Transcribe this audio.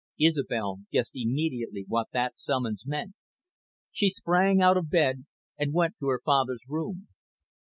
Isobel guessed immediately what that summons meant. She sprang out of bed and went to her father's room.